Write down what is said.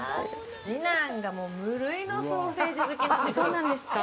次男が無類のソーセージ好きなんですよ。